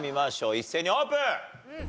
一斉にオープン！